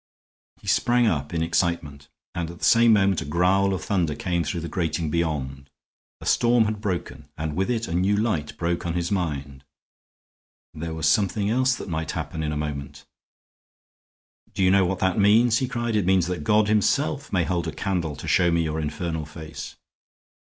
." He sprang up in excitement, and at the same moment a growl of thunder came through the grating beyond. The storm had broken, and with it a new light broke on his mind. There was something else that might happen in a moment. "Do you know what that means?" he cried. "It means that God himself may hold a candle to show me your infernal face."